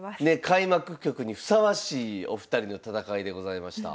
開幕局にふさわしいお二人の戦いでございました。